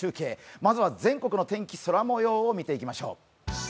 まずは全国の天気、空もようを見ていきましょう。